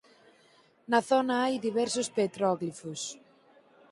Na zona hai diversos petróglifos.